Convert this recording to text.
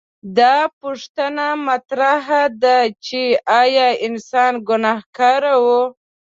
دا پوښتنه مطرح ده چې ایا انسان ګنهګار و؟